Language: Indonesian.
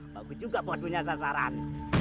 bagus juga buat punya sasaran